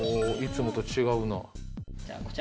いつもと違うな。